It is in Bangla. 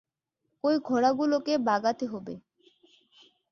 ওই ঘোড়াগুলোকে বাগাতে হবে।